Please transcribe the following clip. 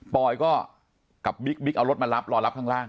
ปอยก็กับบิ๊กเอารถมารับรอรับข้างล่าง